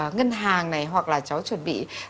ngân hàng này hoặc là cháu chuẩn bị